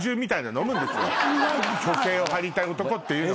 虚勢を張りたい男っていうのは。